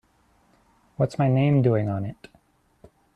What's my name doing on it?